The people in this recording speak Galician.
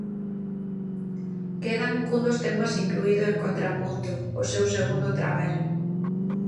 Quedan cun dos temas incluído en Contrapunto, o seu segundo traballo.